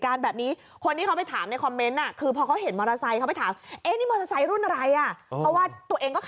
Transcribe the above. การณ์แบบนี้คนที่เขาไปถามในคอมเมนต์น่ะคือพอเขาเห็น